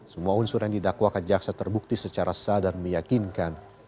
semua unsur yang didakwakan jaksa terbukti secara sadar meyakinkan